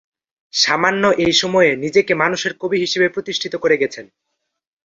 সামান্য এই সময়ে নিজেকে মানুষের কবি হিসেবে প্রতিষ্ঠিত করে গেছেন।